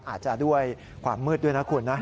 อาจจะด้วยความมืดด้วยนะคุณนะ